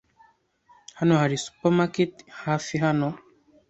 Hano hari supermarket hafi hano?